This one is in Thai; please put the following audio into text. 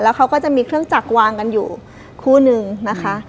เขาก็จะมีเครื่องจักรวางกันอยู่คู่นึงนะคะ